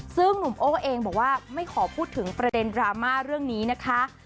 ซึ่งหนุ่มโอ้เองบอกว่าไม่ขอพูดถึงประเด็นดราม่าเรื่องนี้นะคะ